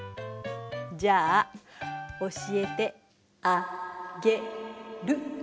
じゃあ教えてあ・げ・る。